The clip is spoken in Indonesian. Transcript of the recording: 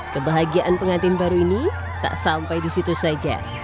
kebahagiaan pengantin baru ini tak sampai di situ saja